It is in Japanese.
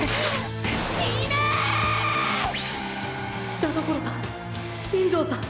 田所さん金城さん